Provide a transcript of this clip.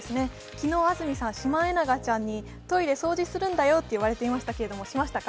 昨日、安住さん、シマエナガちゃんにトイレ掃除するんだよと言われていましたけど、しましたか？